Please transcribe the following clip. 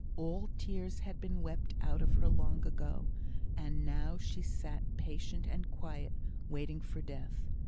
All tears had been wept out of her long ago, and now she sat patient and quiet, waiting for death.